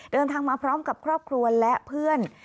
เดินทางมาพร้อมกับครอบครัวและเพื่อน